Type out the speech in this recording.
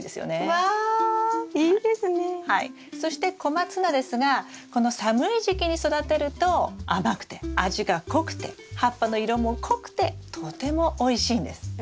そしてコマツナですがこの寒い時期に育てると甘くて味が濃くて葉っぱの色も濃くてとてもおいしいんです。